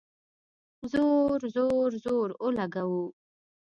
زور ، زور، زور اولګوو